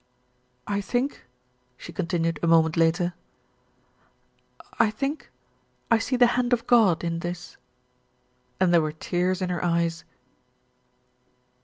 "I think," she continued a moment later, "I think I see the hand of God in this," and there were tears in her eyes.